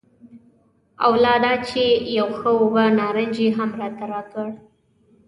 او لا دا چې یو ښه اوبه نارنج یې هم راته راکړ.